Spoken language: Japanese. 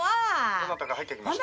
「どなたか入ってきました？」